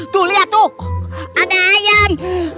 tuh lihat tuh ada ayam